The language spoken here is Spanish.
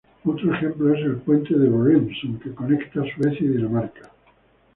Otro ejemplo es el puente de Øresund, que conecta Suecia y Dinamarca.